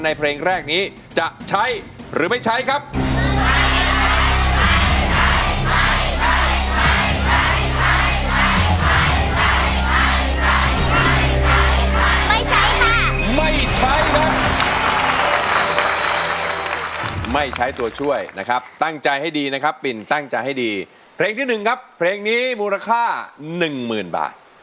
เพลงแรกนี้จะใช้หรือไม่ใช้ครับ